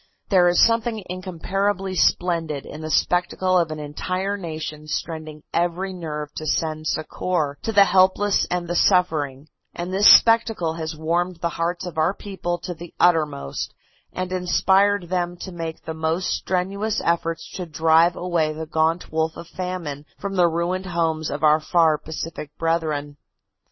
There is something incomparably splendid in the spectacle of an entire nation straining every nerve to send succor to the helpless and the suffering, and this spectacle has warmed the hearts of our people to the uttermost and inspired them to make the most strenuous efforts to drive away the gaunt wolf of famine from the ruined homes of our far Pacific brethren.